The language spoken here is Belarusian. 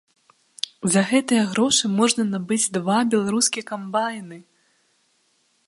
За гэтыя грошы можна набыць два беларускія камбайны!